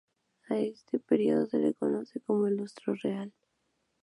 A este periodo se le conoce como el Lustro Real.